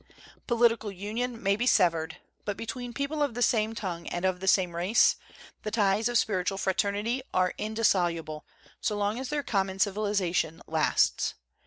Political union may be severed, but, between peoples of the same tongue and of the same race, the ties of spiritual fraternity are indissoluble, so long as their common civilisation lasts.